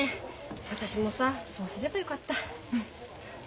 私もさそうすればよかった。